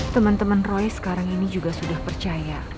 teman teman roy sekarang ini juga sudah percaya